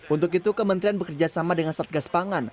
untuk itu kementerian bekerjasama dengan satgas pangan